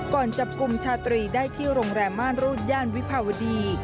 ก่อนจับกลุ่มชาตรีได้ที่โรงแรมม่านรูดย่านวิภาวดี